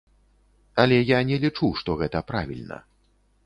Але я не лічу, што гэта правільна.